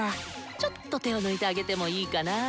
ちょっと手を抜いてあげてもいいかな。